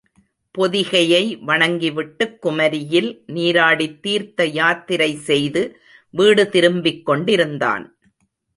பொதிகையை வணங்கிவிட்டுக் குமரியில் நீராடித் தீர்த்த யாத்திரை செய்து வீடு திரும்பிக் கொண்டிருந்தான்.